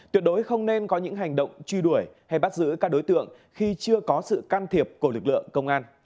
tuyệt đối không nên có những hành động truy đuổi hay bắt giữ các đối tượng khi chưa có sự can thiệp của lực lượng công an